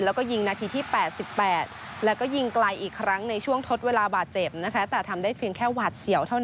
แล้วก็ยิงนาทีที่๘๘แล้วก็ยิงไกลอีกครั้งในช่วงทดเวลาบาดเจ็บนะคะแต่ทำได้เพียงแค่หวาดเสียวเท่านั้น